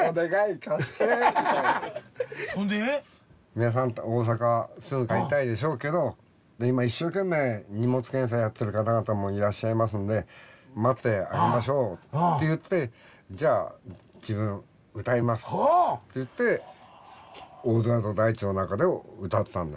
皆さん大阪すぐ帰りたいでしょうけど今一生懸命荷物検査やってる方々もいらっしゃいますんで待ってあげましょうって言ってじゃあ自分歌いますって言って「大空と大地の中で」を歌ったんだ。